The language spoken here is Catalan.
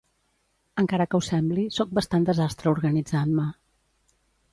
Encara que ho sembli, soc bastant desastre organitzant-me.